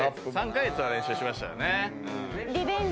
３カ月は練習しましたよねうん。